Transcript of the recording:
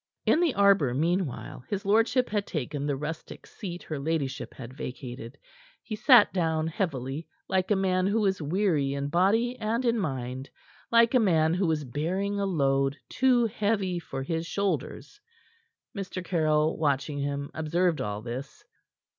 In the arbor, meanwhile, his lordship had taken the rustic seat her ladyship had vacated. He sat down heavily, like a man who is weary in body and in mind, like a man who is bearing a load too heavy for his shoulders. Mr. Caryll, watching him, observed all this.